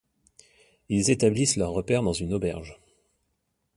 Ils établissent leur repaire dans une auberge.